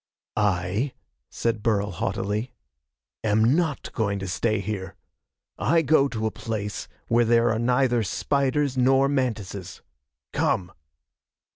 "I," said Burl haughtily, "am not going to stay here. I go to a place where there are neither spiders nor mantises. Come!"